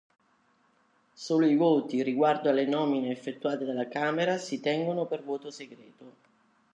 Solo i voti riguardo alle nomine effettuate dalla Camera si tengono per voto segreto.